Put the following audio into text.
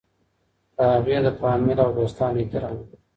د هغې د فاميل او دوستانو احترام وکړئ